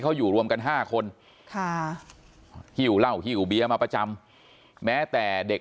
เขาอยู่รวมกัน๕คนค่ะหิ้วเหล้าหิ้วเบียมาประจำแม้แต่เด็ก